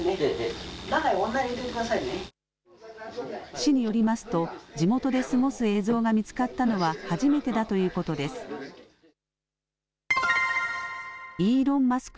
市によりますと地元で過ごす映像が見つかったのは初めてだということです。イーロン・マスク